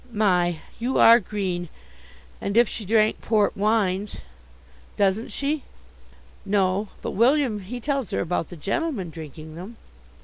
"My! you are green! And if she drank port wines." "Doesn't she?" "No; but William he tells her about the gentlemen drinking them."